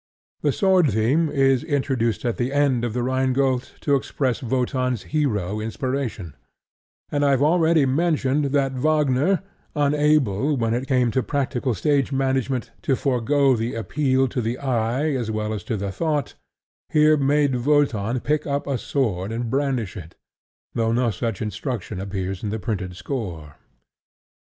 The sword theme is introduced at the end of The Rhine Gold to express Wotan's hero inspiration; and I have already mentioned that Wagner, unable, when it came to practical stage management, to forego the appeal to the eye as well as to the thought, here made Wotan pick up a sword and brandish it, though no such instruction appears in the printed score.